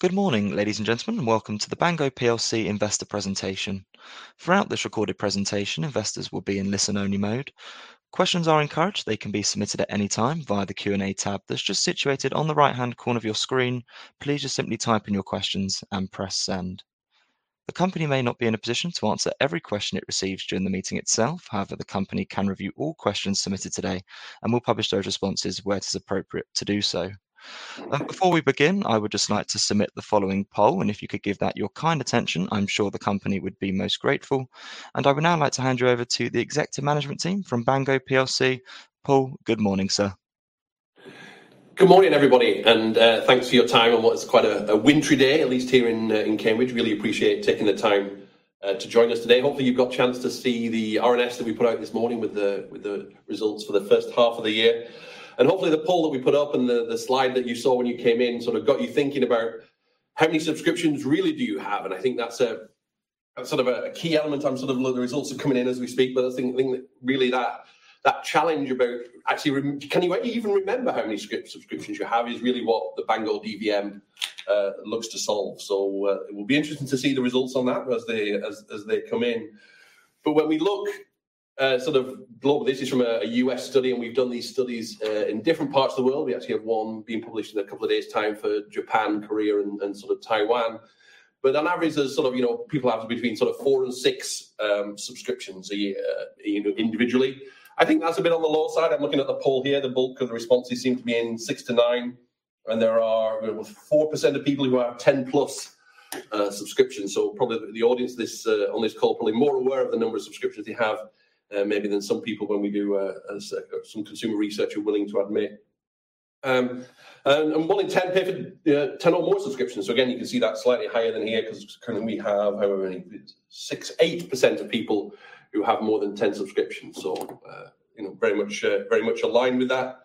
Good morning, ladies and gentlemen, and welcome to the Bango PLC investor presentation. Throughout this recorded presentation, investors will be in listen only mode. Questions are encouraged. They can be submitted at any time via the Q&A tab that is just situated on the right-hand corner of your screen. Please just simply type in your questions and press send. The company may not be in a position to answer every question it receives during the meeting itself. The company can review all questions submitted today and will publish those responses where it is appropriate to do so. Before we begin, I would just like to submit the following poll, and if you could give that your kind attention, I am sure the company would be most grateful. I would now like to hand you over to the executive management team from Bango PLC. Paul, good morning, sir. Good morning, everybody, and thanks for your time on what is quite a wintry day, at least here in Cambridge. Really appreciate you taking the time to join us today. Hopefully, you have got a chance to see the RNS that we put out this morning with the results for the first half of the year. Hopefully, the poll that we put up and the slide that you saw when you came in sort of got you thinking about how many subscriptions really do you have, and I think that is a key element on the results are coming in as we speak. I think that really that challenge about actually can you even remember how many subscriptions you have is really what the Bango DVM looks to solve. It will be interesting to see the results on that as they come in. When we look globally, this is from a U.S. study, and we have done these studies in different parts of the world. We actually have one being published in a couple of days time for Japan, Korea, and Taiwan. On average, people have between four and six subscriptions a year individually. I think that is a bit on the low side. I am looking at the poll here. The bulk of the responses seem to be in six to nine, and there are 4% of people who have 10 plus subscriptions. Probably the audience on this call are probably more aware of the number of subscriptions they have maybe than some people when we do some consumer research are willing to admit. One in 10 pay for 10 or more subscriptions. Again, you can see that slightly higher than here because currently we have, however many, six, 8% of people who have more than 10 subscriptions. Very much aligned with that.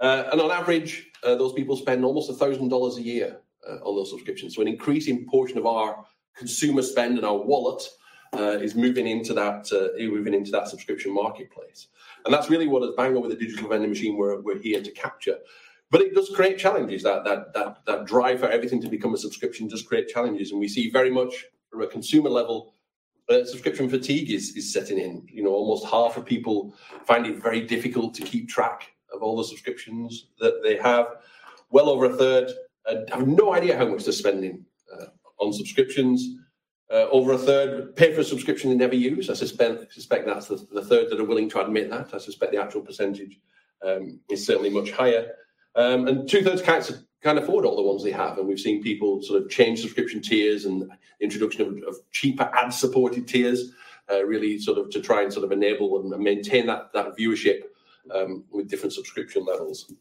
On average, those people spend almost $1,000 a year on those subscriptions. An increasing portion of our consumer spend and our wallet is moving into that subscription marketplace. That is really what, at Bango, with the Digital Vending Machine, we are here to capture. It does create challenges. That drive for everything to become a subscription does create challenges, and we see very much from a consumer level, subscription fatigue is setting in. Almost half of people find it very difficult to keep track of all the subscriptions that they have. Well over a third have no idea how much they are spending on subscriptions. Over a third pay for a subscription they never use. I suspect that's the third that are willing to admit that. I suspect the actual percentage is certainly much higher. Two thirds can't afford all the ones they have, and we've seen people change subscription tiers and introduction of cheaper ad-supported tiers really to try and enable and maintain that viewership with different subscription levels.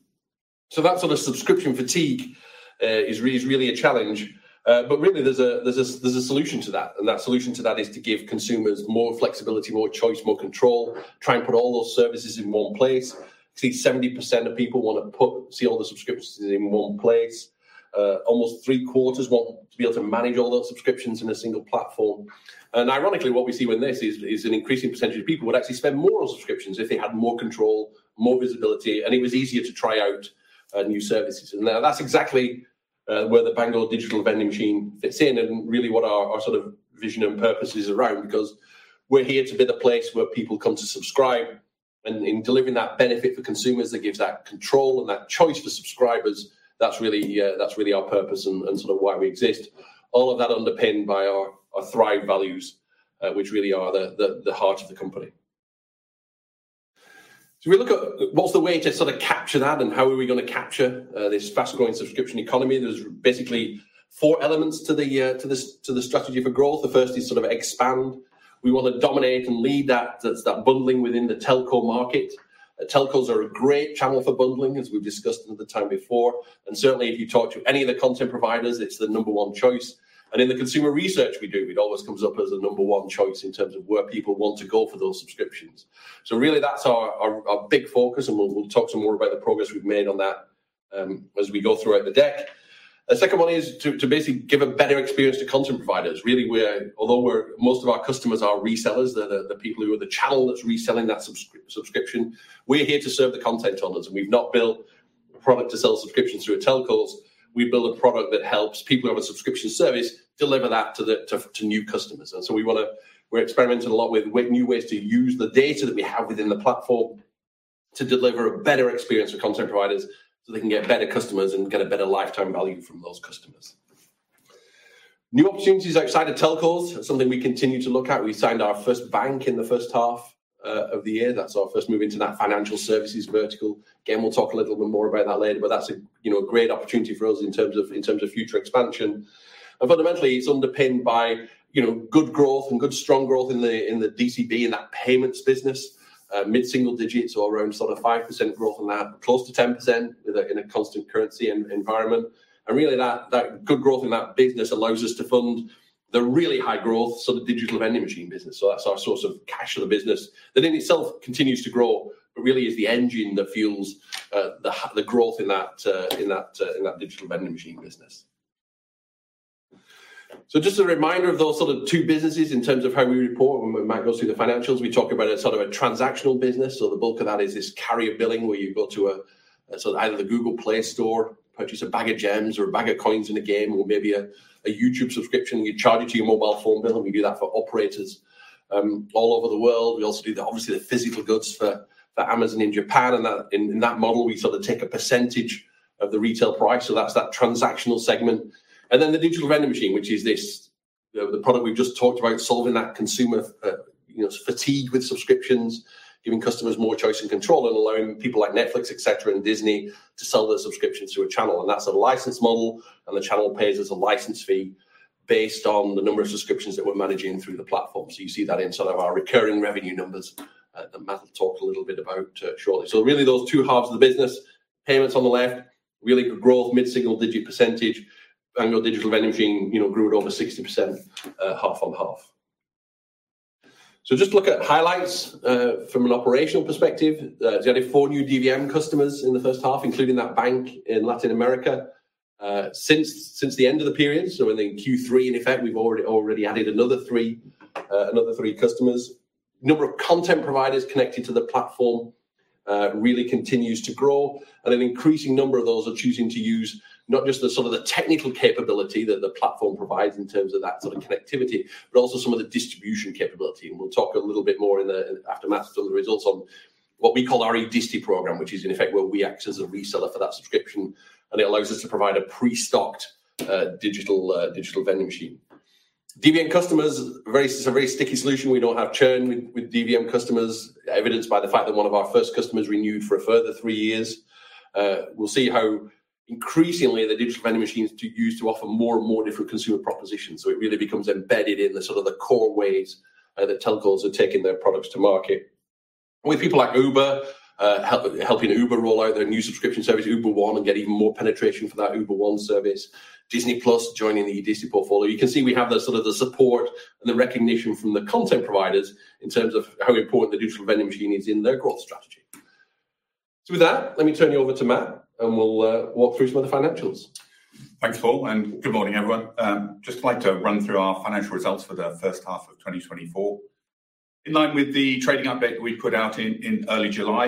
That subscription fatigue is really a challenge. Really there's a solution to that, and that solution to that is to give consumers more flexibility, more choice, more control. Try and put all those services in one place. See, 70% of people want to see all the subscriptions in one place. Almost three quarters want to be able to manage all those subscriptions in a single platform. Ironically, what we see with this is an increasing percentage of people would actually spend more on subscriptions if they had more control, more visibility, and it was easier to try out new services. Now that's exactly where the Bango Digital Vending Machine fits in, and really what our vision and purpose is around, because we're here to be the place where people come to subscribe, and in delivering that benefit for consumers that gives that control and that choice for subscribers. That's really our purpose and why we exist. All of that underpinned by our THRIVE values, which really are the heart of the company. We look at what's the way to capture that and how are we going to capture this fast-growing subscription economy? There's basically four elements to the strategy for growth. The first is expand. We want to dominate and lead that bundling within the telco market. Telcos are a great channel for bundling, as we've discussed at the time before, and certainly if you talk to any of the content providers, it's the number 1 choice. In the consumer research we do, it always comes up as the number 1 choice in terms of where people want to go for those subscriptions. Really that's our big focus, and we'll talk some more about the progress we've made on that as we go throughout the deck. The second one is to basically give a better experience to content providers. Really, although most of our customers are resellers, the people who are the channel that's reselling that subscription, we're here to serve the content owners, and we've not built a product to sell subscriptions through at telcos. We build a product that helps people who have a subscription service deliver that to new customers. We're experimenting a lot with new ways to use the data that we have within the platform to deliver a better experience for content providers so they can get better customers and get a better lifetime value from those customers. New opportunities outside of telcos, that's something we continue to look at. We signed our first bank in the first half of the year. That's our first move into that financial services vertical. Again, we'll talk a little bit more about that later, but that's a great opportunity for us in terms of future expansion. Fundamentally, it's underpinned by good growth and good strong growth in the DCB, in that payments business, mid-single digits or around 5% growth on that, close to 10% in a constant currency environment. Really that good growth in that business allows us to fund the really high growth Digital Vending Machine business. That's our source of cash to the business. That in itself continues to grow, but really is the engine that fuels the growth in that Digital Vending Machine business. Just a reminder of those two businesses in terms of how we report when we might go through the financials, we talk about a transactional business. The bulk of that is this carrier billing, where you go to either the Google Play Store, purchase a bag of gems or a bag of coins in a game, or maybe a YouTube subscription, we charge it to your mobile phone bill, and we do that for operators all over the world. We also do obviously the physical goods for Amazon in Japan, and in that model, we take a percentage of the retail price, that's that transactional segment. Then the Digital Vending Machine, which is this, the product we've just talked about, solving that consumer fatigue with subscriptions, giving customers more choice and control, and allowing people like Netflix, et cetera, and Disney to sell their subscriptions through a channel. That's a license model, and the channel pays us a license fee based on the number of subscriptions that we're managing through the platform. You see that in some of our recurring revenue numbers that Matt will talk a little bit about shortly. Really those two halves of the business, payments on the left, really good growth, mid-single digit percentage. Annual Digital Vending grew at over 60%, half on half. Just look at highlights, from an operational perspective, we added four new DVM customers in the first half, including that bank in Latin America. Since the end of the period, in Q3, in effect, we've already added another three customers. Number of content providers connected to the platform really continues to grow. An increasing number of those are choosing to use not just the technical capability that the platform provides in terms of that connectivity, but also some of the distribution capability. We'll talk a little bit more after Matt's done the results on what we call our eDisti program, which is in effect where we act as a reseller for that subscription, and it allows us to provide a pre-stocked Digital Vending Machine. DVM customers, it's a very sticky solution. We don't have churn with DVM customers, evidenced by the fact that one of our first customers renewed for a further three years. We'll see how increasingly the Digital Vending Machines are used to offer more and more different consumer propositions. It really becomes embedded in the core ways that telcos are taking their products to market. With people like Uber, helping Uber roll out their new subscription service, Uber One, and get even more penetration for that Uber One service. Disney+ joining the eDisti portfolio. You can see we have the support and the recognition from the content providers in terms of how important the Digital Vending Machine is in their growth strategy. With that, let me turn you over to Matt, and we'll walk through some of the financials. Thanks, Paul, and good morning, everyone. Just like to run through our financial results for the first half of 2024. In line with the trading update that we put out in early July,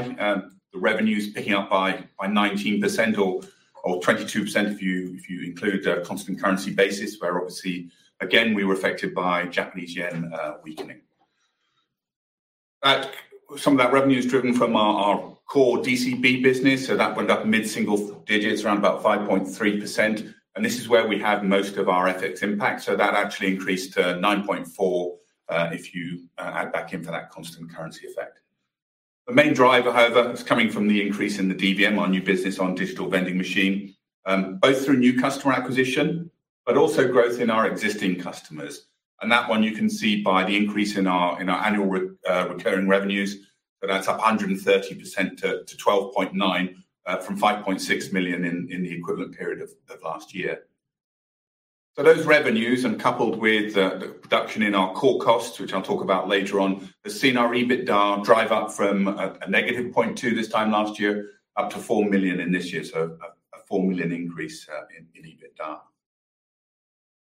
the revenues picking up by 19%, or 22% if you include a constant currency basis, where obviously, again, we were affected by Japanese yen weakening. Some of that revenue is driven from our core DCB business, that went up mid-single digits, around about 5.3%, and this is where we had most of our FX impact, that actually increased to 9.4% if you add back in for that constant currency effect. The main driver, however, is coming from the increase in the DVM, our new business on Digital Vending Machine, both through new customer acquisition, but also growth in our existing customers. That one you can see by the increase in our annual recurring revenues. That's up 130% to $12.9 million from $5.6 million in the equivalent period of last year. Those revenues, and coupled with the reduction in our core costs, which I'll talk about later on, has seen our EBITDA drive up from a negative $0.2 million this time last year, up to $4 million in this year. A $4 million increase in EBITDA.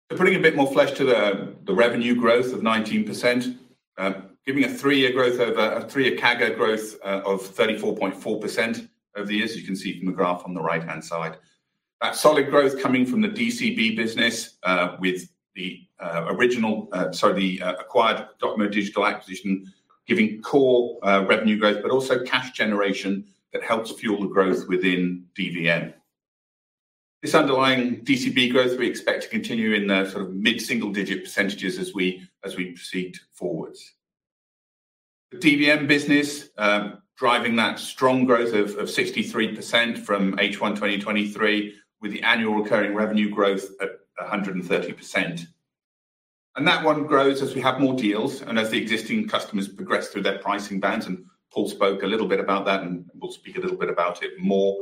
Putting a bit more flesh to the revenue growth of 19%, giving a three-year CAGR growth of 34.4% over the years, you can see from the graph on the right-hand side. That solid growth coming from the DCB business, with the acquired DOCOMO Digital acquisition, giving core revenue growth, but also cash generation that helps fuel the growth within DVM. This underlying DCB growth we expect to continue in the mid-single digit percentages as we proceed forwards. The DVM business, driving that strong growth of 63% from H1 2023, with the annual recurring revenue growth at 130%. That one grows as we have more deals and as the existing customers progress through their pricing bands, and Paul spoke a little bit about that, and we'll speak a little bit about it more.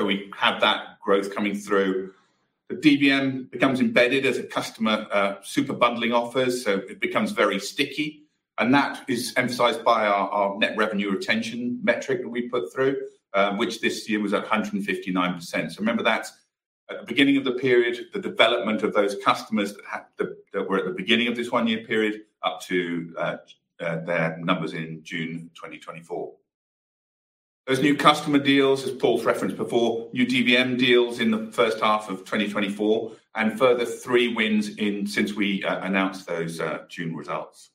We have that growth coming through. The DVM becomes embedded as a customer super bundling offers, so it becomes very sticky, and that is emphasized by our net revenue retention metric that we put through, which this year was up 159%. Remember that at the beginning of the period, the development of those customers that were at the beginning of this one-year period up to their numbers in June 2024. Those new customer deals, as Paul's referenced before, new DVM deals in the first half of 2024, and a further three wins since we announced those June results.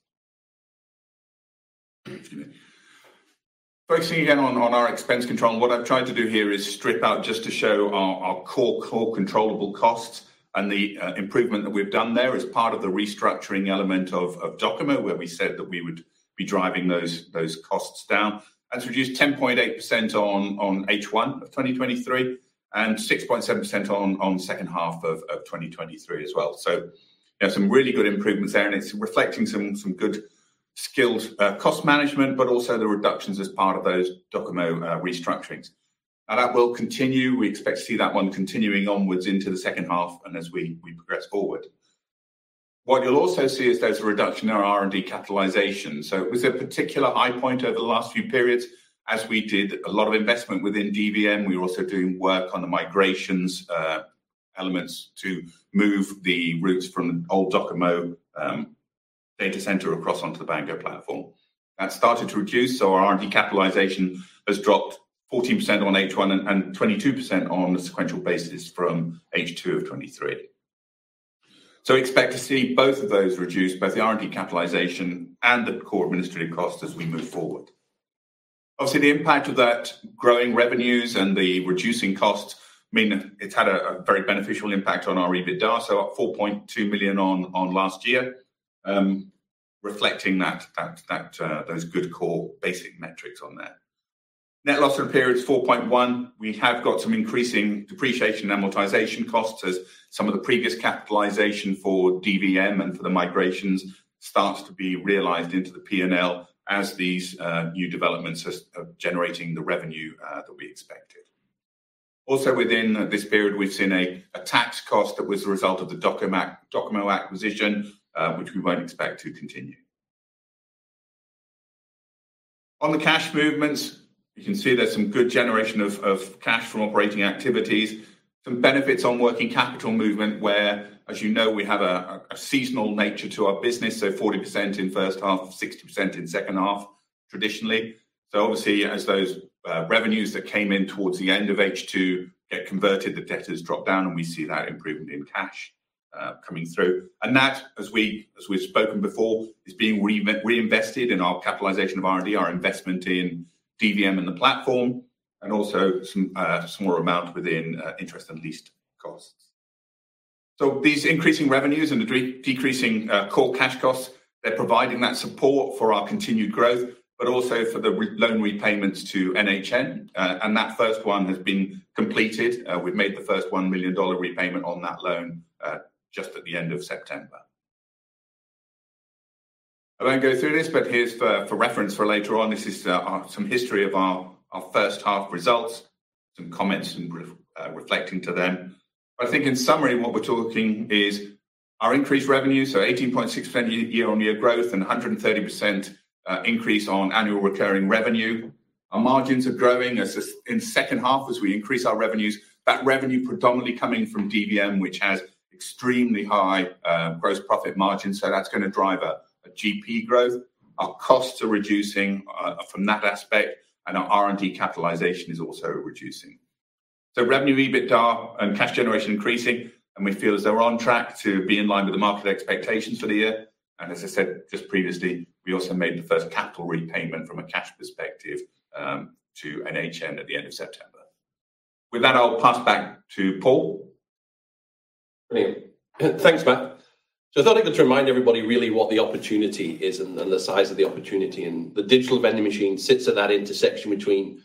Focusing again on our expense control, and what I've tried to do here is strip out just to show our core controllable costs and the improvement that we've done there as part of the restructuring element of DOCOMO where we said that we would be driving those costs down. That's reduced 10.8% on H1 of 2023, and 6.7% on second half of 2023 as well. Some really good improvements there, and it's reflecting some good skilled cost management, but also the reductions as part of those DOCOMO restructurings. That will continue. We expect to see that one continuing onwards into the second half and as we progress forward. What you'll also see is there's a reduction in our R&D capitalization. It was a particular high point over the last few periods as we did a lot of investment within DVM. We were also doing work on the migrations elements to move the routes from old DOCOMO data center across onto the Bango platform. That started to reduce, so our R&D capitalization has dropped 14% on H1 and 22% on a sequential basis from H2 of 2023. Expect to see both of those reduce, both the R&D capitalization and the core administrative costs as we move forward. Obviously, the impact of that growing revenues and the reducing costs mean it has had a very beneficial impact on our EBITDA, up $4.2 million on last year, reflecting those good core basic metrics on there. Net loss for the period is $4.1. We have got some increasing depreciation amortization costs as some of the previous capitalization for DVM and for the migrations starts to be realized into the P&L as these new developments are generating the revenue that we expected. Also within this period, we have seen a tax cost that was the result of the DOCOMO acquisition, which we will not expect to continue. On the cash movements, you can see there is some good generation of cash from operating activities, some benefits on working capital movement where, as you know, we have a seasonal nature to our business. 40% in first half, 60% in second half traditionally. Obviously as those revenues that came in towards the end of H2 get converted, the debtors drop down, and we see that improvement in cash coming through. That, as we have spoken before, is being reinvested in our capitalization of R&D, our investment in DVM and the platform, and also some small amount within interest and leased costs. These increasing revenues and the decreasing core cash costs, they are providing that support for our continued growth, but also for the loan repayments to NHN, and that first one has been completed. We have made the first $1 million repayment on that loan just at the end of September. I will not go through this, but here is for reference for later on. This is some history of our first half results, some comments reflecting to them. I think in summary, what we are talking is our increased revenue, 18.6% year-on-year growth and 130% increase on annual recurring revenue. Our margins are growing in second half as we increase our revenues. That revenue predominantly coming from DVM, which has extremely high gross profit margins, that is going to drive a GP growth. Our costs are reducing from that aspect, and our R&D capitalization is also reducing. Revenue, EBITDA and cash generation increasing, and we feel as though we are on track to be in line with the market expectations for the year. As I said just previously, we also made the first capital repayment from a cash perspective to NHN at the end of September. With that, I will pass back to Paul. Brilliant. Thanks, Matt. I thought I'd just remind everybody really what the opportunity is and the size of the opportunity. The Digital Vending Machine sits at that intersection between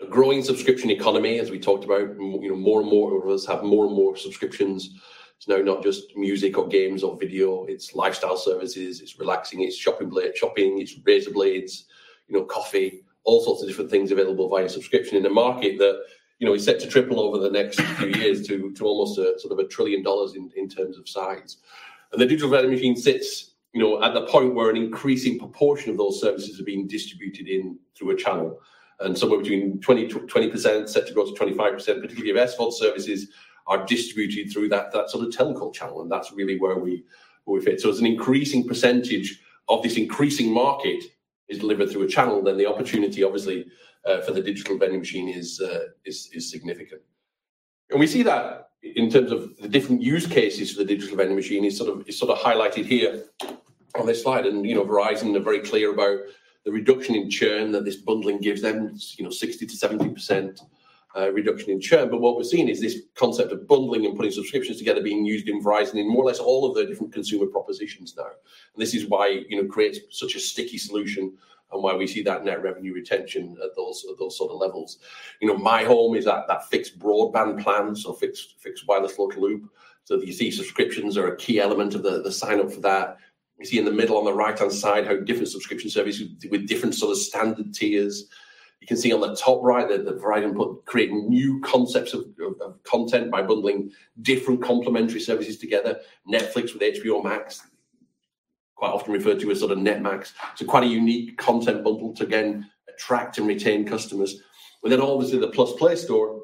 a growing subscription economy, as we talked about. More and more of us have more and more subscriptions. It's now not just music or games or video. It's lifestyle services, it's relaxing, it's shopping, it's razor blades, coffee, all sorts of different things available via subscription in a market that is set to triple over the next few years to almost sort of $1 trillion in terms of size. The Digital Vending Machine sits at the point where an increasing proportion of those services are being distributed in through a channel. Somewhere between 20% set to go to 25%, particularly of SVOD services, are distributed through that sort of telco channel. That's really where we fit. As an increasing percentage of this increasing market is delivered through a channel, the opportunity obviously for the Digital Vending Machine is significant. We see that in terms of the different use cases for the Digital Vending Machine is sort of highlighted here on this slide. Verizon are very clear about the reduction in churn that this bundling gives them. It's 60%-70% reduction in churn. What we're seeing is this concept of bundling and putting subscriptions together being used in Verizon in more or less all of their different consumer propositions now. This is why it creates such a sticky solution and why we see that net revenue retention at those sort of levels. myHome is that fixed broadband plan, so fixed wireless loop. You see subscriptions are a key element of the sign-up for that. You see in the middle on the right-hand side how different subscription services with different sort of standard tiers. You can see on the top right that Verizon put creating new concepts of content by bundling different complementary services together. Netflix with HBO Max, quite often referred to as sort of NetMax. Quite a unique content bundle to again attract and retain customers. Obviously the +play,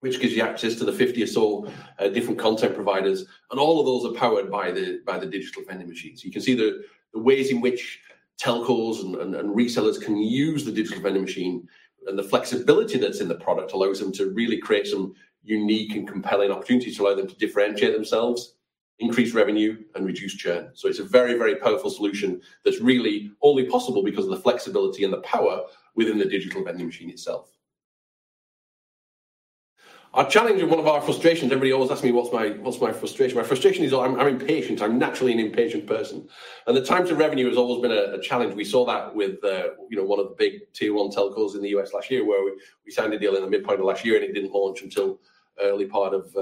which gives you access to the 50 or so different content providers, and all of those are powered by the Digital Vending Machines. You can see the ways in which telcos and resellers can use the Digital Vending Machine. The flexibility that's in the product allows them to really create some unique and compelling opportunities to allow them to differentiate themselves, increase revenue and reduce churn. It's a very powerful solution that's really only possible because of the flexibility and the power within the Digital Vending Machine itself. Our challenge, one of our frustrations, everybody always asks me what's my frustration. My frustration is I'm impatient. I'm naturally an impatient person. The time to revenue has always been a challenge. We saw that with one of the big tier 1 telcos in the U.S. last year, where we signed a deal in the midpoint of last year. It didn't launch until early part of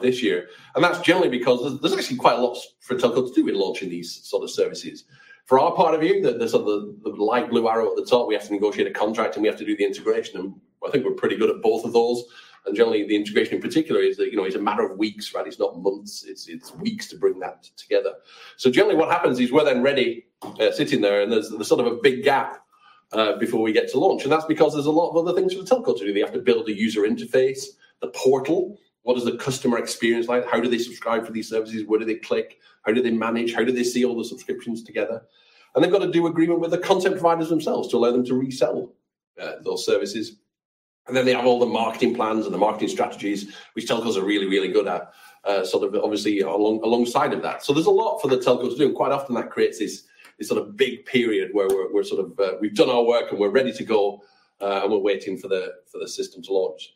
this year. That's generally because there's actually quite a lot for a telco to do in launching these sort of services. For our part of it, the sort of light blue arrow at the top, we have to negotiate a contract, and we have to do the integration, and I think we're pretty good at both of those. Generally, the integration in particular is a matter of weeks. It's not months. It's weeks to bring that together. Generally what happens is we're then ready sitting there, and there's sort of a big gap before we get to launch. That's because there's a lot of other things for the telco to do. They have to build a user interface, the portal, what is the customer experience like? How do they subscribe for these services? Where do they click? How do they manage? How do they see all the subscriptions together? They've got to do agreement with the content providers themselves to allow them to resell those services. Then they have all the marketing plans and the marketing strategies, which telcos are really, really good at, obviously alongside of that. There's a lot for the telco to do, and quite often that creates this sort of big period where we've done our work and we're ready to go, and we're waiting for the system to launch.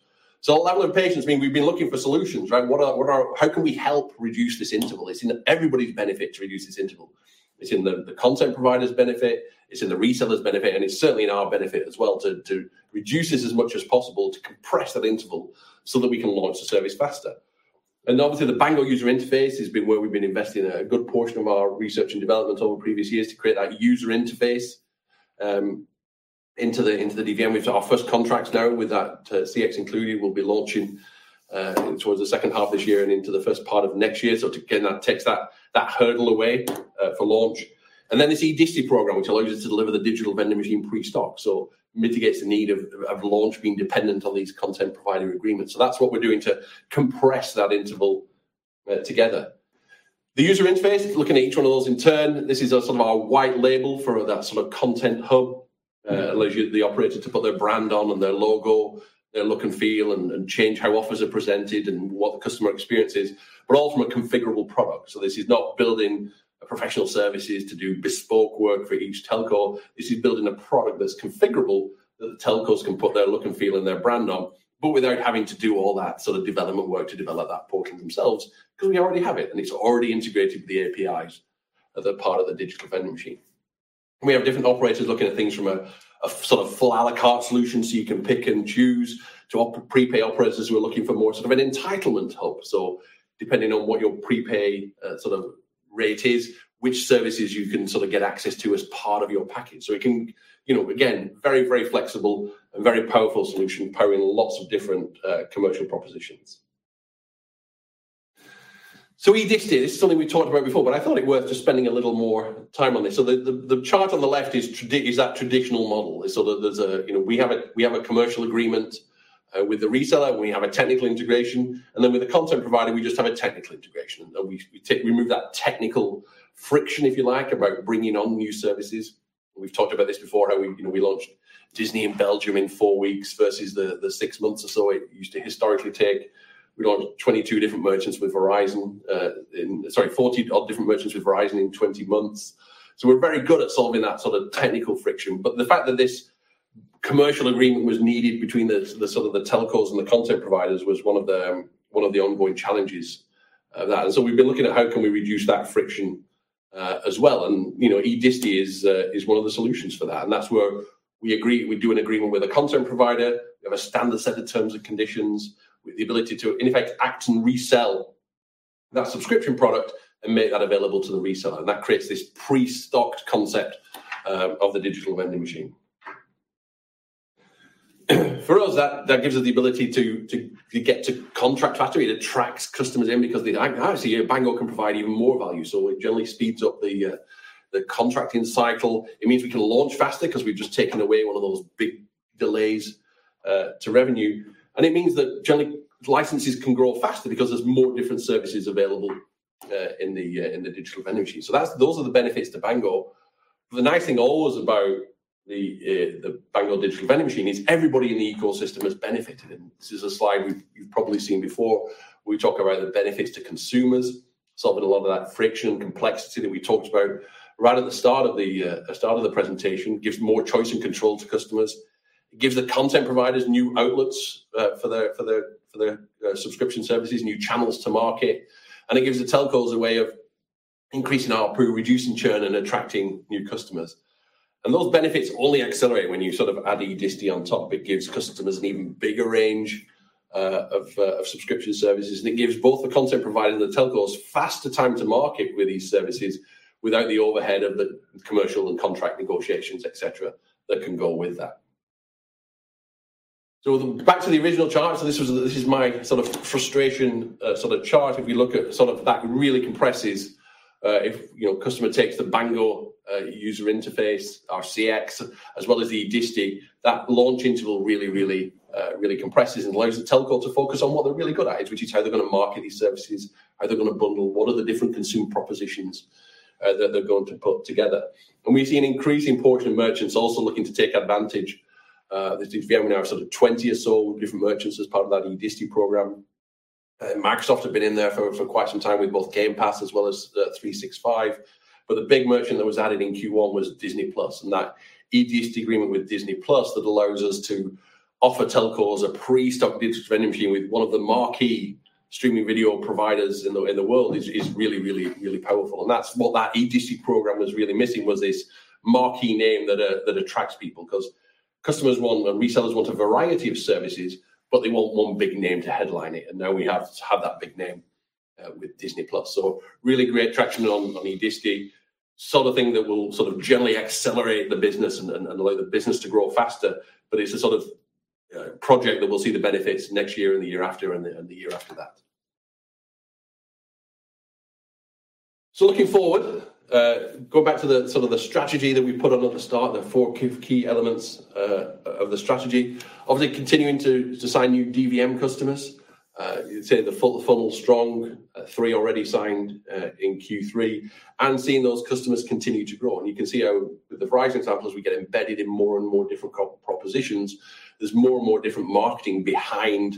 All that with patience means we've been looking for solutions, right? How can we help reduce this interval? It's in everybody's benefit to reduce this interval. It's in the content provider's benefit, it's in the reseller's benefit, and it's certainly in our benefit as well to reduce this as much as possible, to compress that interval so that we can launch the service faster. Obviously, the Bango user interface has been where we've been investing a good portion of our research and development over previous years to create that user interface into the DVM, which our first contract now with that, CX included, we'll be launching towards the second half of this year and into the first part of next year. Again, that takes that hurdle away for launch. Then this eDisti program, which allows us to deliver the Digital Vending Machine pre-stocked, so mitigates the need of launch being dependent on these content provider agreements. That's what we're doing to compress that interval together. The user interface, looking at each one of those in turn, this is our white label for that sort of content hub. Allows the operator to put their brand on and their logo, their look and feel and change how offers are presented and what the customer experience is, but all from a configurable product. This is not building professional services to do bespoke work for each telco. This is building a product that's configurable that the telcos can put their look and feel and their brand on, but without having to do all that sort of development work to develop that portal themselves because we already have it, and it's already integrated with the APIs that are part of the Digital Vending Machine. We have different operators looking at things from a sort of full à la carte solution, so you can pick and choose, to prepaid operators who are looking for more sort of an entitlement hub. Depending on what your prepaid rate is, which services you can sort of get access to as part of your package. It can, again, very flexible and very powerful solution, powering lots of different commercial propositions. eDisti, this is something we talked about before, but I thought it worth just spending a little more time on this. The chart on the left is that traditional model. We have a commercial agreement with the reseller, and we have a technical integration. Then with the content provider, we just have a technical integration. We remove that technical friction, if you like, about bringing on new services. We've talked about this before, how we launched Disney in Belgium in 4 weeks versus the 6 months or so it used to historically take. We launched 40-odd different merchants with Verizon in 20 months. We're very good at solving that sort of technical friction. The fact that this commercial agreement was needed between the telcos and the content providers was one of the ongoing challenges of that. We've been looking at how can we reduce that friction as well. eDisti is one of the solutions for that. That's where we do an agreement with a content provider. We have a standard set of terms and conditions with the ability to, in effect, act and resell that subscription product and make that available to the reseller. That creates this pre-stocked concept of the Digital Vending Machine. For us, that gives us the ability to get to contract faster. It attracts customers in because obviously Bango can provide even more value. It generally speeds up the contracting cycle. It means we can launch faster because we've just taken away one of those big delays to revenue. It means that generally licenses can grow faster because there's more different services available in the Digital Vending Machine. Those are the benefits to Bango. The nice thing always about the Bango Digital Vending Machine is everybody in the ecosystem has benefited. This is a slide you've probably seen before. We talk about the benefits to consumers, solving a lot of that friction and complexity that we talked about right at the start of the presentation. Gives more choice and control to customers. It gives the content providers new outlets for their subscription services, new channels to market. It gives the telcos a way of increasing ARPU, reducing churn, and attracting new customers. Those benefits only accelerate when you sort of add eDisti on top. It gives customers an even bigger range of subscription services. It gives both the content provider and the telcos faster time to market with these services without the overhead of the commercial and contract negotiations, et cetera, that can go with that. Back to the original chart. This is my sort of frustration chart. If you look at sort of that really compresses, if your customer takes the Bango user interface, our CX, as well as the eDisti, that launch interval really, really compresses and allows the telco to focus on what they're really good at, which is how they're going to market these services. How they're going to bundle, what are the different consumer propositions that they're going to put together. We've seen an increasing portion of merchants also looking to take advantage. There's DVM now, sort of 20 or so different merchants as part of that eDisti program. Microsoft have been in there for quite some time with both Game Pass as well as 365. The big merchant that was added in Q1 was Disney+, and that eDisti agreement with Disney+ that allows us to offer telcos a pre-stocked Digital Vending Machine with one of the marquee streaming video providers in the world is really powerful. That's what that eDisti program was really missing was this marquee name that attracts people because customers want and resellers want a variety of services, but they want one big name to headline it. Now we have had that big name with Disney+. Really great traction on eDisti. Sort of thing that will generally accelerate the business and allow the business to grow faster, but it's a sort of project that we'll see the benefits next year and the year after and the year after that. Looking forward, going back to the strategy that we put on at the start, the four key elements of the strategy. Obviously continuing to sign new DVM customers. You'd say the funnel's strong, three already signed in Q3, and seeing those customers continue to grow. You can see how with the Verizon examples, we get embedded in more and more different propositions. There's more and more different marketing behind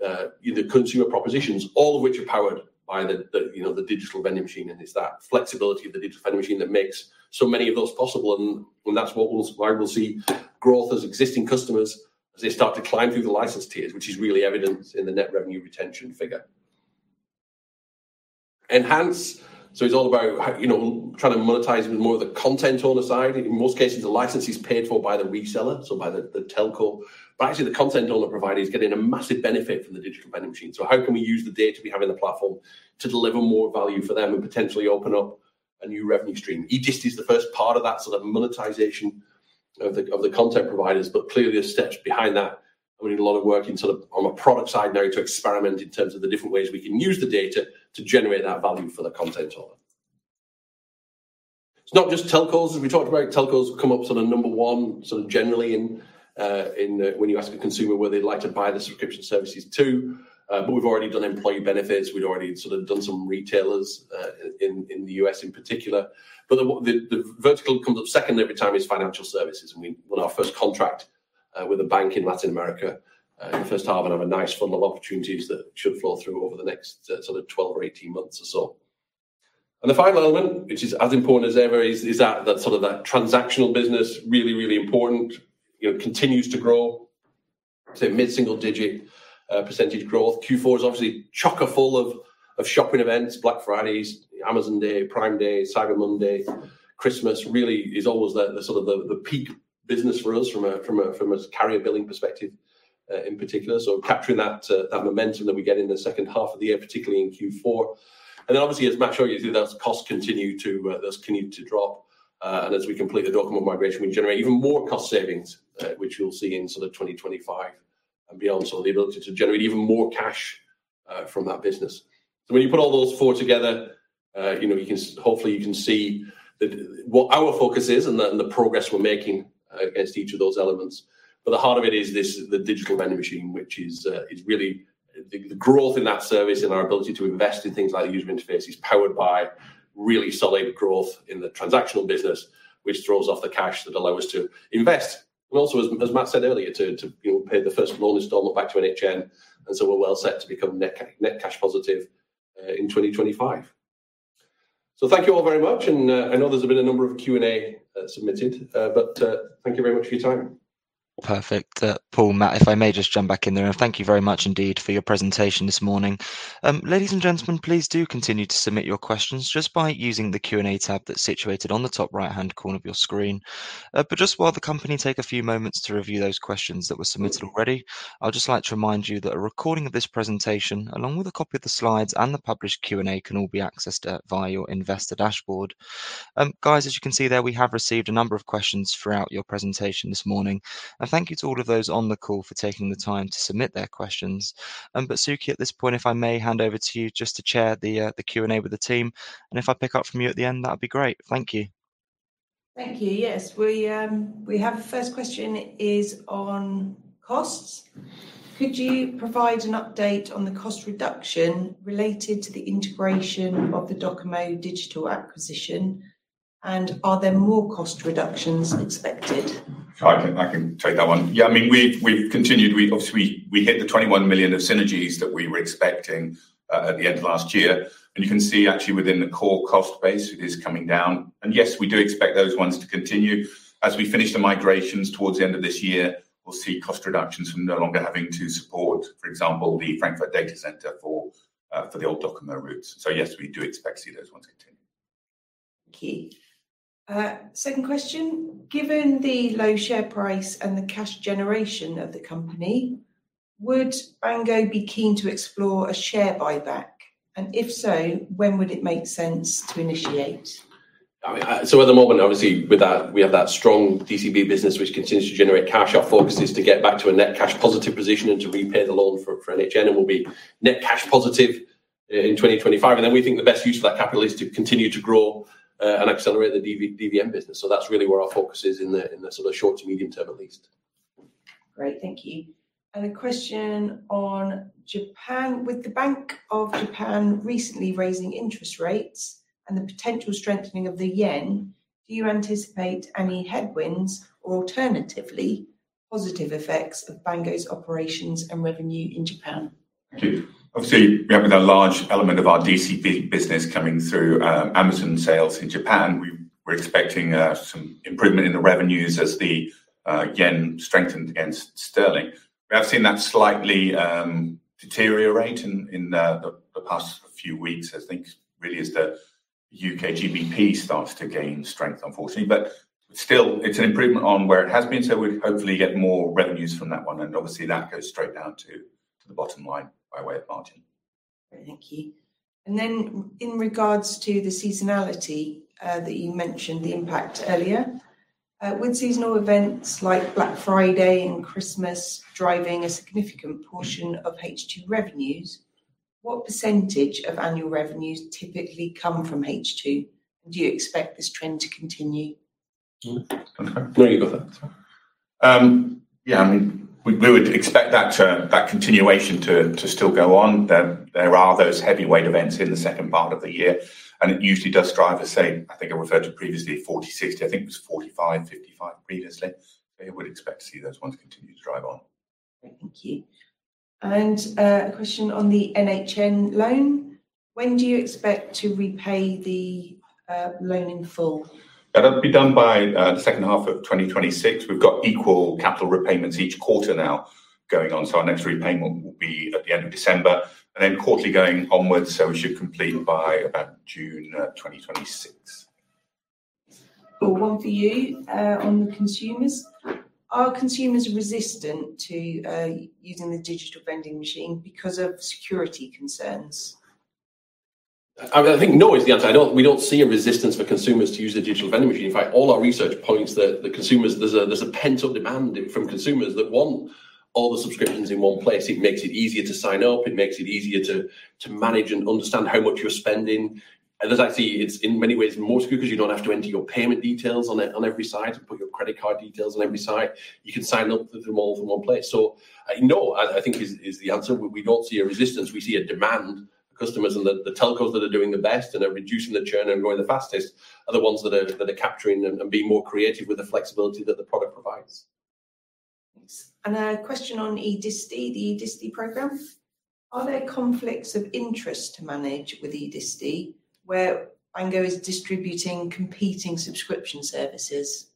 the consumer propositions, all of which are powered by the Digital Vending Machine, and it's that flexibility of the Digital Vending Machine that makes so many of those possible. That's why we'll see growth as existing customers as they start to climb through the license tiers, which is really evident in the net revenue retention figure. Enhance, it's all about trying to monetize more of the content owner side. In most cases, the license is paid for by the reseller, so by the telco, but actually the content owner provider is getting a massive benefit from the Digital Vending Machine. How can we use the data we have in the platform to deliver more value for them and potentially open up a new revenue stream? Aegis is the first part of that monetization of the content providers, but clearly there's steps behind that, and we need a lot of work on the product side now to experiment in terms of the different ways we can use the data to generate that value for the content owner. It's not just telcos. As we talked about, telcos come up number one generally when you ask a consumer where they'd like to buy the subscription services to. We've already done employee benefits, we'd already done some retailers in the U.S. in particular. The vertical that comes up second every time is financial services, and we won our first contract with a bank in Latin America in the first half, and have a nice funnel of opportunities that should flow through over the next 12 or 18 months or so. The final element, which is as important as ever, is that transactional business, really important, continues to grow, say mid-single digit percentage growth. Q4 is obviously chock-a-block full of shopping events, Black Friday, Amazon Day, Prime Day, Cyber Monday. Christmas really is always the peak business for us from a carrier billing perspective in particular. Capturing that momentum that we get in the second half of the year, particularly in Q4. Obviously as Matt showed you those costs continue to drop. As we complete the DOCOMO migration, we generate even more cost savings, which you'll see in 2025 and beyond. The ability to generate even more cash from that business. When you put all those four together, hopefully you can see what our focus is and the progress we're making against each of those elements. But the heart of it is the Digital Vending Machine, which is really the growth in that service and our ability to invest in things like the user interface is powered by really solid growth in the transactional business, which throws off the cash that allow us to invest. Also, as Matt said earlier, to pay the first loan installment back to NHN, we're well set to become net cash positive in 2025. Thank you all very much, I know there's been a number of Q&A submitted, thank you very much for your time. Perfect. Paul, Matt, if I may just jump back in there, thank you very much indeed for your presentation this morning. Ladies and gentlemen, please do continue to submit your questions just by using the Q&A tab that's situated on the top right-hand corner of your screen. Just while the company take a few moments to review those questions that were submitted already, I'd just like to remind you that a recording of this presentation, along with a copy of the slides and the published Q&A, can all be accessed via your investor dashboard. Guys, as you can see there, we have received a number of questions throughout your presentation this morning, thank you to all of those on the call for taking the time to submit their questions. Suki, at this point, if I may hand over to you just to chair the Q&A with the team, if I pick up from you at the end, that'd be great. Thank you. Thank you. Yes. We have the first question is on costs. Could you provide an update on the cost reduction related to the integration of the DOCOMO Digital acquisition, and are there more cost reductions expected? I can take that one. We've continued. Obviously, we hit the 21 million of synergies that we were expecting at the end of last year. You can see actually within the core cost base, it is coming down. Yes, we do expect those ones to continue. As we finish the migrations towards the end of this year, we'll see cost reductions from no longer having to support, for example, the Frankfurt data center for the old DOCOMO routes. Yes, we do expect to see those ones continue. Okay. Second question, given the low share price and the cash generation of the company, would Bango be keen to explore a share buyback, and if so, when would it make sense to initiate? At the moment, obviously, we have that strong DCB business which continues to generate cash. Our focus is to get back to a net cash positive position and to repay the loan for NHN, we'll be net cash positive in 2025. We think the best use of that capital is to continue to grow and accelerate the DVM business. That's really where our focus is in the short to medium term at least. Great, thank you. A question on Japan. With the Bank of Japan recently raising interest rates and the potential strengthening of the yen, do you anticipate any headwinds or alternatively positive effects of Bango's operations and revenue in Japan? Thank you. Obviously, we're having a large element of our DCB business coming through Amazon sales in Japan. We're expecting some improvement in the revenues as the yen strengthened against GBP. We have seen that slightly deteriorate in the past few weeks as the U.K. GBP starts to gain strength, unfortunately. Still, it's an improvement on where it has been, so we hopefully get more revenues from that one. Obviously that goes straight down to the bottom line by way of margin. Great, thank you. Then in regards to the seasonality that you mentioned the impact earlier With seasonal events like Black Friday and Christmas driving a significant portion of H2 revenues, what % of annual revenues typically come from H2, and do you expect this trend to continue? No, you go first. Yeah, we would expect that continuation to still go on. There are those heavyweight events in the second part of the year, it usually does drive the same, I think I referred to previously 40, 60, I think it was 45, 55 previously. Yeah, we'd expect to see those ones continue to drive on. Great. Thank you. A question on the NHN loan. When do you expect to repay the loan in full? That'll be done by the second half of 2026. We've got equal capital repayments each quarter now going on, so our next repayment will be at the end of December, and then quarterly going onwards. We should complete by about June 2026. Paul, one for you on the consumers. Are consumers resistant to using the Digital Vending Machine because of security concerns? I think no is the answer. We don't see a resistance for consumers to use the Digital Vending Machine. In fact, all our research points that there's a pent-up demand from consumers that want all the subscriptions in one place. It makes it easier to sign up. It makes it easier to manage and understand how much you're spending, and there's actually, it's in many ways more secure because you don't have to enter your payment details on every site and put your credit card details on every site. You can sign up for them all from one place. No, I think is the answer. We don't see a resistance. We see a demand for customers, and the telcos that are doing the best and are reducing the churn and growing the fastest are the ones that are capturing them and being more creative with the flexibility that the product provides. Thanks, and a question on eDisti, the eDisti program. Are there conflicts of interest to manage with eDisti where Bango is distributing competing subscription services?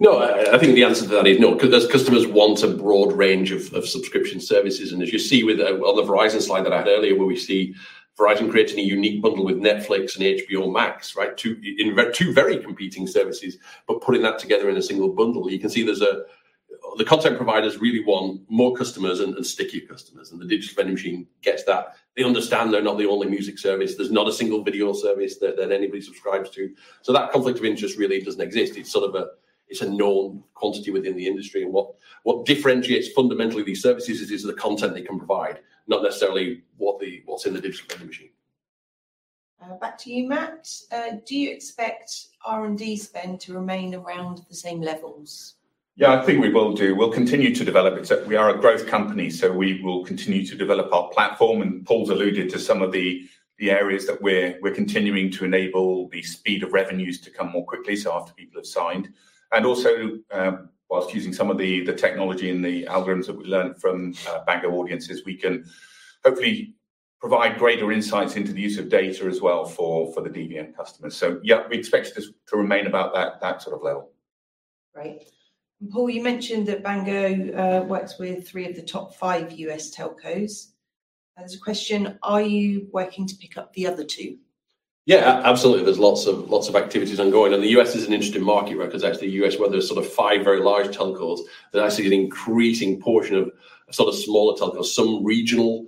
No, I think the answer to that is no. Customers want a broad range of subscription services, and as you see on the Verizon slide that I had earlier, where we see Verizon creating a unique bundle with Netflix and HBO Max, right? Two very competing services, but putting that together in a single bundle. You can see the content providers really want more customers and stickier customers, and the Digital Vending Machine gets that. They understand they're not the only music service. There's not a single video service that anybody subscribes to. That conflict of interest really doesn't exist. It's a known quantity within the industry, and what differentiates fundamentally these services is the content they can provide, not necessarily what's in the Digital Vending Machine. Back to you, Matt. Do you expect R&D spend to remain around the same levels? Yeah, I think we will do. We'll continue to develop. We are a growth company, so we will continue to develop our platform, and Paul's alluded to some of the areas that we're continuing to enable the speed of revenues to come more quickly, so after people have signed. Whilst using some of the technology and the algorithms that we learned from Bango Audiences, we can hopefully provide greater insights into the use of data as well for the DVM customers. We expect it to remain about that sort of level. Great, and Paul, you mentioned that Bango works with three of the top five U.S. telcos. As a question, are you working to pick up the other two? Yeah, absolutely. There's lots of activities ongoing, and the U.S. is an interesting market, because actually, the U.S., where there's sort of five very large telcos, there's actually an increasing portion of sort of smaller telcos, some regional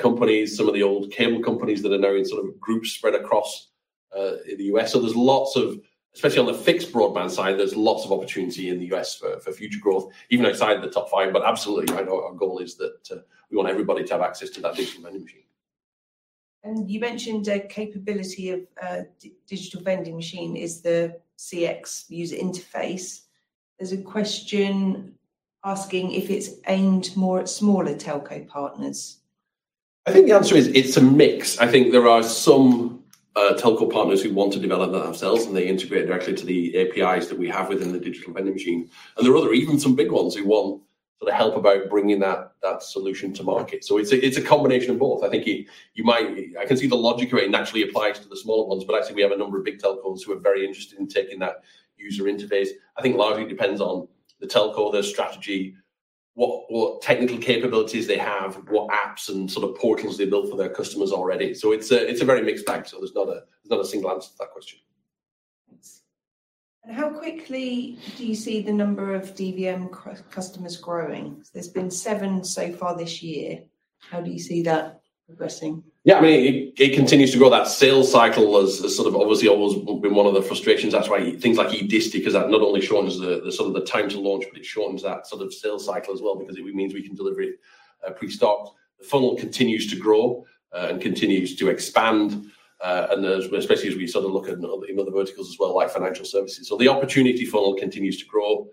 companies, some of the old cable companies that are now in sort of groups spread across the U.S. There's lots of, especially on the fixed broadband side, there's lots of opportunity in the U.S. for future growth, even outside of the top five. Absolutely, our goal is that we want everybody to have access to that Digital Vending Machine. You mentioned a capability of Digital Vending Machine is the CX user interface. There's a question asking if it's aimed more at smaller telco partners. I think the answer is it's a mix. I think there are some telco partners who want to develop that themselves, and they integrate directly to the APIs that we have within the Digital Vending Machine. There are even some big ones who want the help about bringing that solution to market. It's a combination of both. I can see the logic where it naturally applies to the smaller ones, but actually we have a number of big telcos who are very interested in taking that user interface. I think a lot of it depends on the telco, their strategy, what technical capabilities they have, what apps and sort of portals they build for their customers already. It's a very mixed bag. There's not a single answer to that question. Thanks, how quickly do you see the number of DVM customers growing? There's been seven so far this year. How do you see that progressing? Yeah, it continues to grow. That sales cycle has obviously always been one of the frustrations. That's why things like eDisti, because that not only shortens the time to launch, but it shortens that sort of sales cycle as well because it means we can deliver it pre-stock. Especially as we sort of look in other verticals as well, like financial services. The opportunity funnel continues to grow.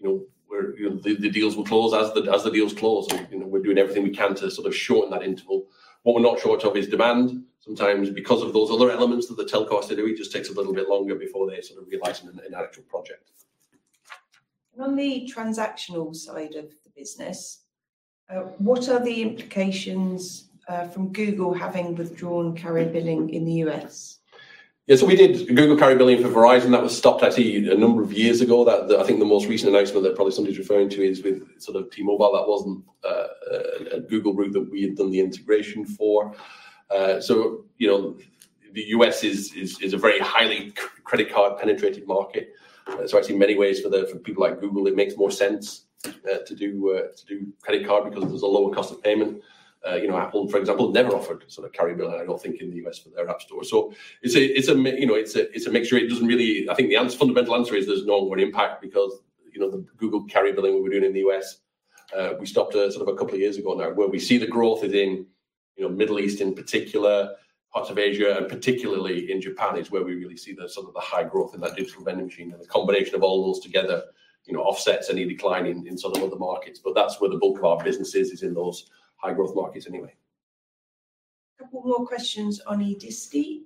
The deals will close. As the deals close, we're doing everything we can to sort of shorten that interval. What we're not short of is demand. Sometimes because of those other elements that the telcos are doing, it just takes a little bit longer before they sort of realize an actual project. On the transactional side of the business, what are the implications from Google having withdrawn carrier billing in the U.S.? Yeah, we did Google carrier billing for Verizon. That was stopped actually a number of years ago. I think the most recent announcement that probably somebody's referring to is with sort of T-Mobile. That wasn't a Google route that we had done the integration for. The U.S. is a very highly credit card penetrated market. Actually many ways for people like Google, it makes more sense to do credit card because there's a lower cost of payment. Apple, for example, never offered carrier billing, I don't think, in the U.S. for their App Store. It's a mixture. I think the fundamental answer is there's no real impact because the Google carrier billing we were doing in the U.S. We stopped a couple of years ago now. Where we see the growth is in Middle East in particular, parts of Asia, and particularly in Japan is where we really see the high growth in that Digital Vending Machine. The combination of all those together offsets any decline in other markets. That's where the bulk of our business is in those high growth markets anyway. A couple more questions on eDisti.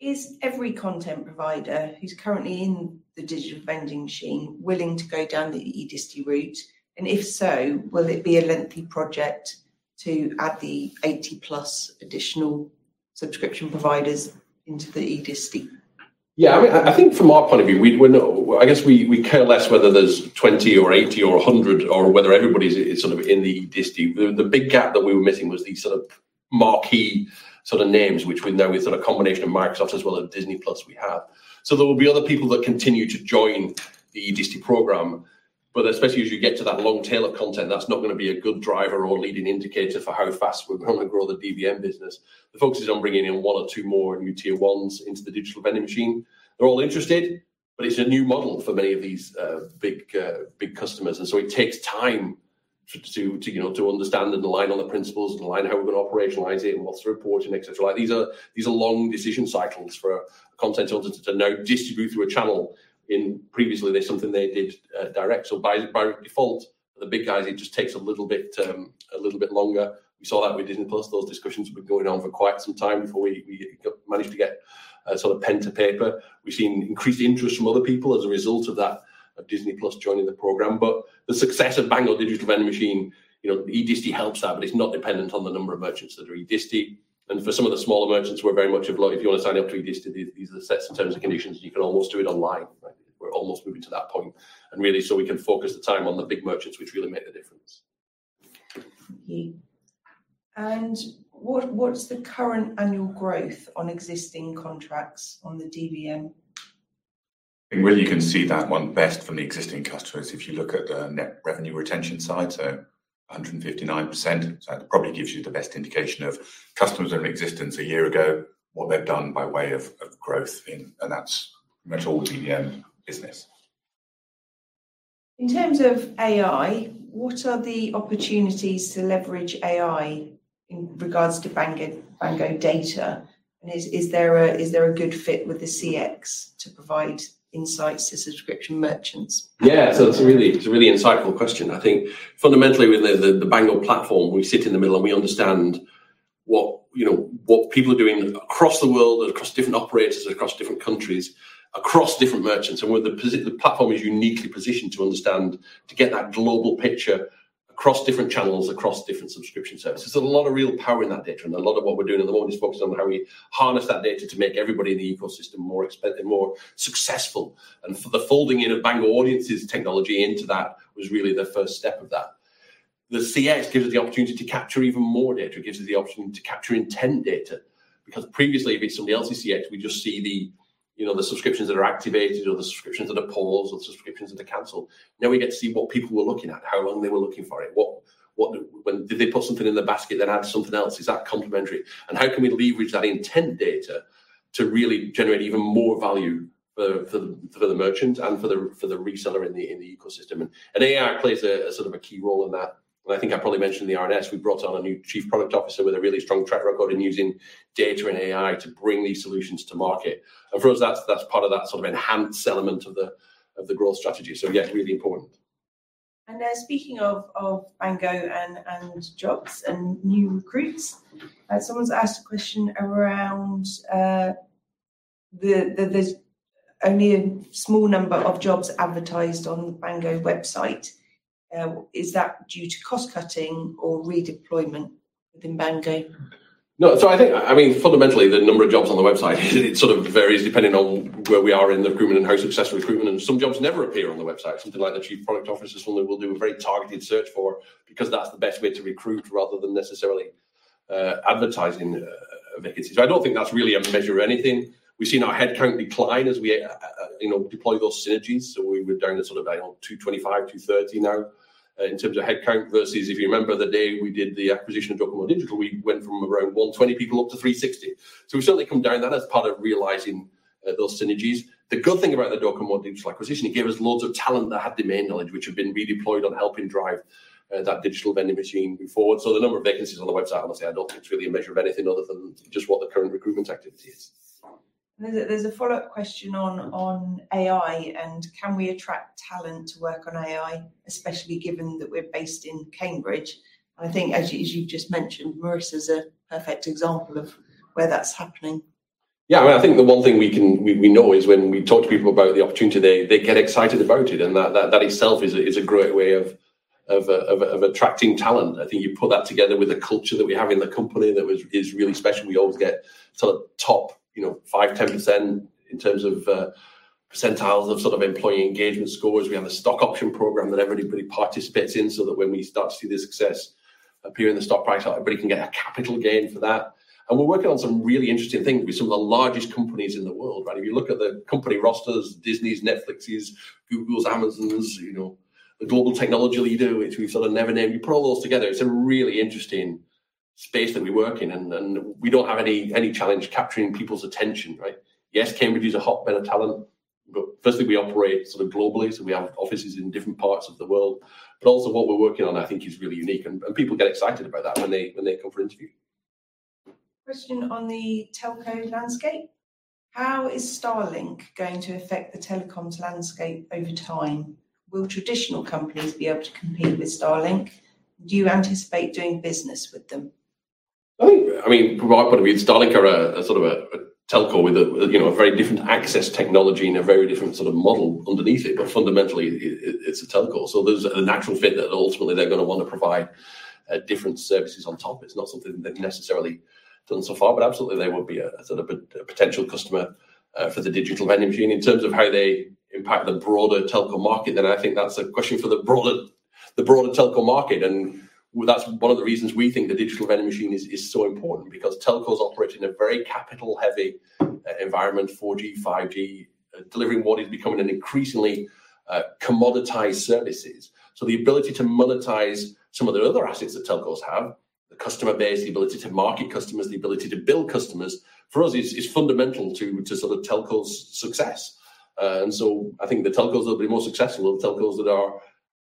Is every content provider who's currently in the Digital Vending Machine willing to go down the eDisti route? If so, will it be a lengthy project to add the 80 plus additional subscription providers into the eDisti? Yeah, I think from our point of view, I guess we care less whether there's 20 or 80 or 100, or whether everybody's in the eDisti. The big gap that we were missing was these marquee names, which we know with a combination of Microsoft as well as Disney+ we have. There will be other people that continue to join the eDisti program, but especially as you get to that long tail of content, that's not going to be a good driver or leading indicator for how fast we're going to grow the DVM business. The focus is on bringing in one or two more new tier 1s into the Digital Vending Machine. They're all interested, but it's a new model for many of these big customers, and so it takes time to understand and align on the principles and align how we're going to operationalize it, and what's the reporting, et cetera. These are long decision cycles for a content owner to now distribute through a channel. Previously, it's something they did direct. By default, for the big guys, it just takes a little bit longer. We saw that with Disney+. Those discussions were going on for quite some time before we managed to get pen to paper. We've seen increased interest from other people as a result of that, of Disney+ joining the program. The success of Bango Digital Vending Machine, eDisti helps that, but it's not dependent on the number of merchants that are eDisti. For some of the smaller merchants, we're very much of like, "If you want to sign up to eDisti, these are the sets and terms and conditions. You can almost do it online." We're almost moving to that point, and really so we can focus the time on the big merchants, which really make the difference. Thank you. What's the current annual growth on existing contracts on the DVM? I think really you can see that one best from the existing customers if you look at the net revenue retention side, so 159%. That probably gives you the best indication of customers that were in existence a year ago, what they've done by way of growth, and that's pretty much all DVM business. In terms of AI, what are the opportunities to leverage AI in regards to Bango data, and is there a good fit with the CX to provide insights to subscription merchants? Yeah, it's a really insightful question. I think fundamentally with the Bango platform, we sit in the middle, and we understand what people are doing across the world and across different operators, across different countries, across different merchants, and the platform is uniquely positioned to understand to get that global picture across different channels, across different subscription services. There's a lot of real power in that data, and a lot of what we're doing at the moment is focused on how we harness that data to make everybody in the ecosystem more successful. The folding in of Bango Audiences technology into that was really the first step of that. The CX gives us the opportunity to capture even more data, gives us the opportunity to capture intent data, because previously, with somebody else's CX, we just see the subscriptions that are activated or the subscriptions that are paused or the subscriptions that are canceled. Now we get to see what people were looking at, how long they were looking for it. Did they put something in the basket, then add something else? Is that complementary? How can we leverage that intent data to really generate even more value for the merchant and for the reseller in the ecosystem? AI plays a key role in that. I think I probably mentioned in the RNS, we brought on a new chief product officer with a really strong track record in using data and AI to bring these solutions to market. For us, that's part of that enhanced element of the growth strategy. Yes, really important. Speaking of Bango and jobs and new recruits, someone's asked a question around that there's only a small number of jobs advertised on the Bango website. Is that due to cost cutting or redeployment within Bango? No. I think fundamentally, the number of jobs on the website varies depending on where we are in the recruitment and how successful recruitment. Some jobs never appear on the website. Something like the Chief Product Officer is someone that we'll do a very targeted search for, because that's the best way to recruit, rather than necessarily advertising vacancies. I don't think that's really a measure of anything. We've seen our headcount decline as we deploy those synergies, we're down to sort of around 225, 230 now in terms of headcount, versus if you remember the day we did the acquisition of DOCOMO Digital, we went from around 120 people up to 360. We've certainly come down. That's part of realizing those synergies. The good thing about the DOCOMO Digital acquisition, it gave us loads of talent that had domain knowledge, which have been redeployed on helping drive that Digital Vending Machine forward. The number of vacancies on the website, honestly, I don't think it's really a measure of anything other than just what the current recruitment activity is. There's a follow-up question on AI, can we attract talent to work on AI, especially given that we're based in Cambridge? I think as you've just mentioned, Maurice is a perfect example of where that's happening. I think the one thing we know is when we talk to people about the opportunity, they get excited about it, and that itself is a great way of attracting talent. I think you put that together with the culture that we have in the company that is really special. We always get top 5, 10% in terms of percentiles of employee engagement scores. We have a stock option program that everybody participates in so that when we start to see the success appear in the stock price, everybody can get a capital gain for that. We're working on some really interesting things with some of the largest companies in the world, right? If you look at the company rosters, Disney's, Netflix's, Google's, Amazon's, the global technology leader, which we've never named, you put all those together, it's a really interesting space that we work in, we don't have any challenge capturing people's attention, right? Yes, Cambridge is a hotbed of talent, firstly, we operate globally, so we have offices in different parts of the world. Also what we're working on, I think, is really unique, and people get excited about that when they come for interview. Question on the telco landscape. How is Starlink going to affect the telecoms landscape over time? Will traditional companies be able to compete with Starlink? Do you anticipate doing business with them? I think, from our point of view, Starlink are a sort of a telco with a very different access technology and a very different sort of model underneath it, fundamentally, it's a telco. There's a natural fit that ultimately they're going to want to provide different services on top. It's not something they've necessarily done so far, absolutely they would be a potential customer for the Digital Vending Machine. In terms of how they impact the broader telco market, I think that's a question for the broader telco market, that's one of the reasons we think the Digital Vending Machine is so important because telcos operate in a very capital-heavy environment, 4G, 5G, delivering what is becoming an increasingly commoditized services. The ability to monetize some of the other assets that telcos have, the customer base, the ability to market customers, the ability to bill customers, for us, is fundamental to sort of telcos' success. I think the telcos that will be more successful are the telcos that are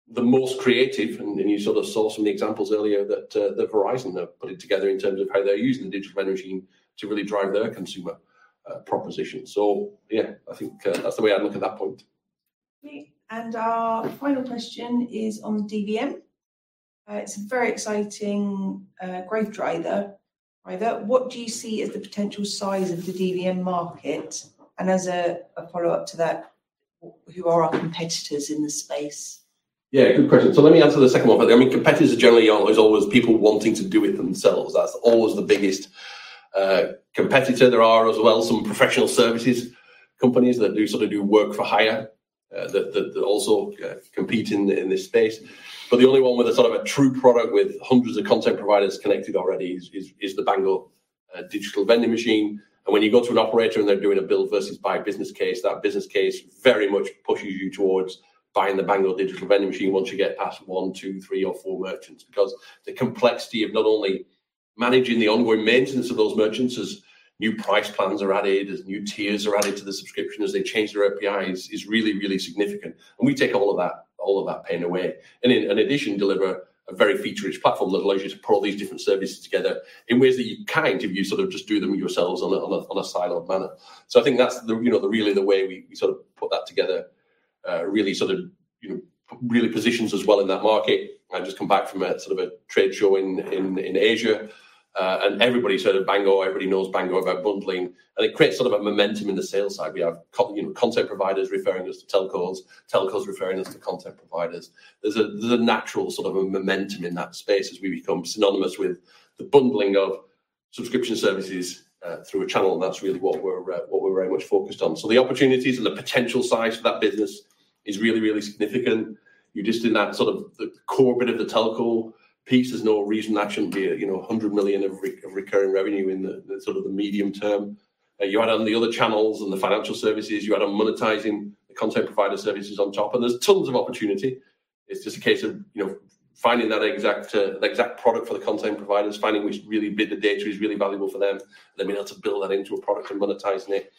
the most creative, and you sort of saw some of the examples earlier that Verizon have put it together in terms of how they're using the Digital Vending Machine to really drive their consumer proposition. Yeah, I think that's the way I'd look at that point. Our final question is on DVM. It's a very exciting growth driver. What do you see as the potential size of the DVM market? And as a follow-up to that, who are our competitors in this space? Good question. Let me answer the second one. Competitors are generally, is always people wanting to do it themselves. That's always the biggest competitor. There are, as well, some professional services companies that do sort of do work for hire, that also compete in this space. But the only one with a sort of a true product with hundreds of content providers connected already is the Bango Digital Vending Machine. And when you go to an operator and they're doing a build versus buy business case, that business case very much pushes you towards buying the Bango Digital Vending Machine once you get past one, two, three or four merchants. The complexity of not only managing the ongoing maintenance of those merchants as new price plans are added, as new tiers are added to the subscription, as they change their API is really significant. And we take all of that pain away. And in addition, deliver a very feature-rich platform that allows you to pull all these different services together in ways that you can't if you sort of just do them yourselves on a siloed manner. I think that's really the way we sort of put that together, really sort of positions us well in that market. I've just come back from a sort of a trade show in Asia, and everybody said Bango, everybody knows Bango about bundling, and it creates sort of a momentum in the sales side. We have content providers referring us to telcos referring us to content providers. There's a natural sort of a momentum in that space as we become synonymous with the bundling of subscription services through a channel, and that's really what we're very much focused on. The opportunities and the potential size for that business is really, really significant. You're just in that sort of the core bit of the telco piece. There's no reason that shouldn't be $100 million of recurring revenue in the sort of the medium term. Add on the other channels and the financial services, add on monetizing the content provider services on top, there's tons of opportunity. It's just a case of finding that exact product for the content providers, finding which bit the data is really valuable for them, and then being able to build that into a product and monetizing it.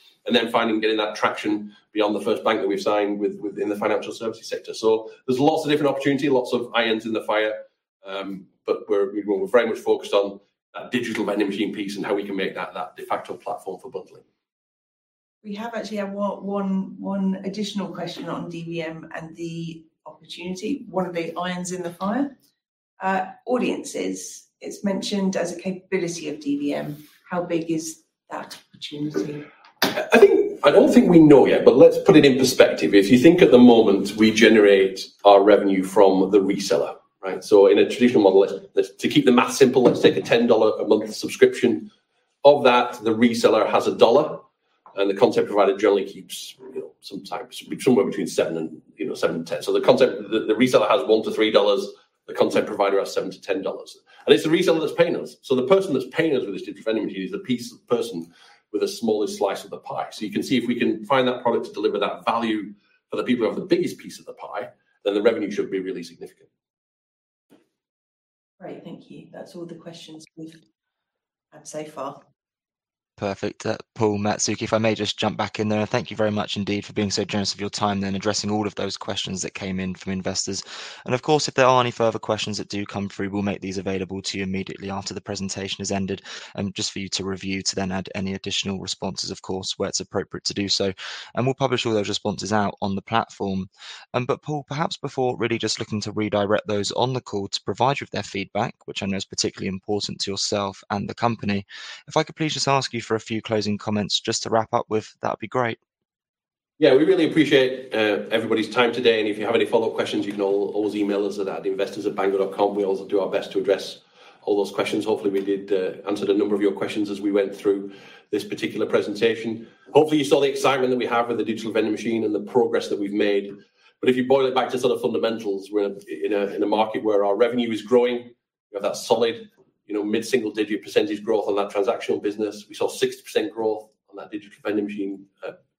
Finally, getting that traction beyond the first bank that we've signed within the financial services sector. There's lots of different opportunity, lots of irons in the fire. We're very much focused on that Digital Vending Machine piece and how we can make that de facto platform for bundling. We have actually one additional question on DVM and the opportunity. What are the irons in the fire? Audiences, it's mentioned as a capability of DVM. How big is that opportunity? I don't think we know yet, let's put it in perspective. If you think at the moment, we generate our revenue from the reseller, right? In a traditional model, to keep the math simple, let's take a $10 a month subscription. Of that, the reseller has $1, and the content provider generally keeps somewhere between $7 and $10. The reseller has $1 to $3, the content provider has $7 to $10. It's the reseller that's paying us. The person that's paying us with this Digital Vending Machine is the person with the smallest slice of the pie. You can see if we can find that product to deliver that value for the people who have the biggest piece of the pie, then the revenue should be really significant. Great. Thank you. That's all the questions we've had so far. Perfect. Paul Larbey, if I may just jump back in there. Thank you very much indeed for being so generous with your time then addressing all of those questions that came in from investors. Of course, if there are any further questions that do come through, we'll make these available to you immediately after the presentation has ended, just for you to review, to then add any additional responses, of course, where it's appropriate to do so. We'll publish all those responses out on the platform. Paul, perhaps before really just looking to redirect those on the call to provide you with their feedback, which I know is particularly important to yourself and the company, if I could please just ask you for a few closing comments just to wrap up with, that would be great. Yeah. We really appreciate everybody's time today, and if you have any follow-up questions, you can always email us at investors@bango.com. We'll also do our best to address all those questions. Hopefully, we did answer a number of your questions as we went through this particular presentation. Hopefully, you saw the excitement that we have with the Digital Vending Machine and the progress that we've made. If you boil it back to sort of fundamentals, we're in a market where our revenue is growing. We have that solid mid-single-digit % growth on that transactional business. We saw 60% growth on that Digital Vending Machine,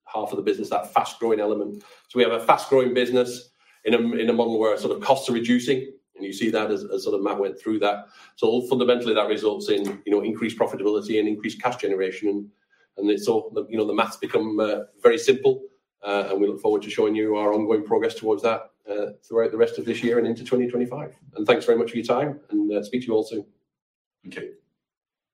half of the business, that fast-growing element. We have a fast-growing business in a model where sort of costs are reducing, and you see that as sort of Matt went through that. All fundamentally, that results in increased profitability and increased cash generation, the maths become very simple, we look forward to showing you our ongoing progress towards that throughout the rest of this year and into 2025. Thanks very much for your time, and speak to you all soon. Thank you.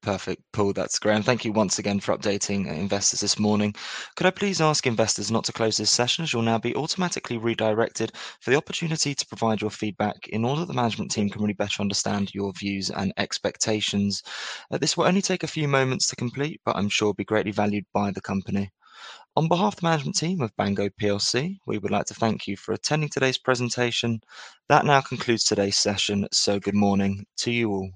Perfect, Paul. That's grand. Thank you once again for updating investors this morning. Could I please ask investors not to close this session, as you'll now be automatically redirected for the opportunity to provide your feedback in order the management team can really better understand your views and expectations. This will only take a few moments to complete, but I'm sure will be greatly valued by the company. On behalf of the management team of Bango PLC, we would like to thank you for attending today's presentation. That now concludes today's session, so good morning to you all